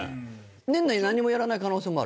年内何にもやらない可能性もある？